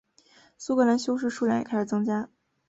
苏格兰修士数量也开始增加。